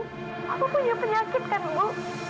aku punya penyakit kan bu